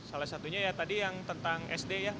salah satunya ya tadi yang tentang sd ya